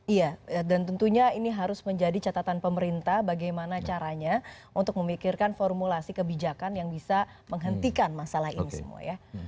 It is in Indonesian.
iya dan tentunya ini harus menjadi catatan pemerintah bagaimana caranya untuk memikirkan formulasi kebijakan yang bisa menghentikan masalah ini semua ya